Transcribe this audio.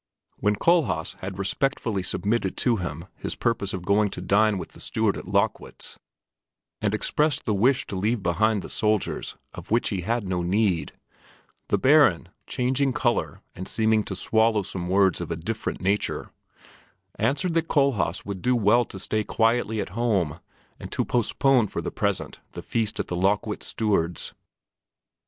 When Kohlhaas had respectfully submitted to him his purpose of going to dine with the steward at Lockwitz, and expressed the wish to be allowed to leave behind the soldiers of whom he had no need, the Baron, changing color and seeming to swallow some words of a different nature, answered that Kohlhaas would do well to stay quietly at home and to postpone for the present the feast at the Lockwitz steward's.